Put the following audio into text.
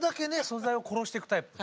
素材を殺していくタイプ。